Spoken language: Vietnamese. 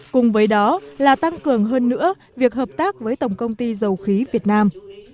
cùng với đó là tăng cường hơn nữa việc hợp tác với tổng công ty dầu khí việt nam